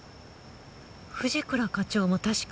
藤倉課長も確か。